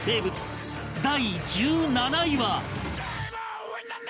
第１７位は